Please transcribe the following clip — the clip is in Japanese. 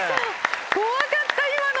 怖かった今の。